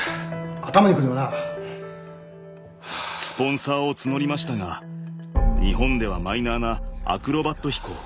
スポンサーを募りましたが日本ではマイナーなアクロバット飛行。